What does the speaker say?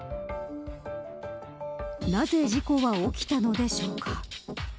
なぜ事故は起きたのでしょうか。